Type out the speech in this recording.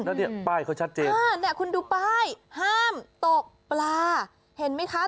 แล้วเนี่ยป้ายเขาชัดเจนอ่าเนี่ยคุณดูป้ายห้ามตกปลาเห็นไหมคะ